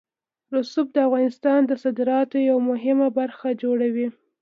رسوب د افغانستان د صادراتو یوه مهمه برخه جوړوي.